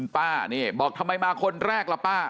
ป้านี่บอกทำไมมาคนแรกล่ะป้า